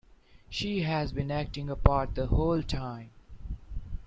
She has been acting a part the whole time.